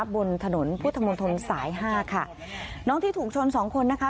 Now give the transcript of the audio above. บนถนนพุทธมนตรสายห้าค่ะน้องที่ถูกชนสองคนนะคะ